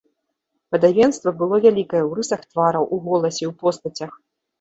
Падабенства было вялікае ў рысах твараў, у голасе, у постацях.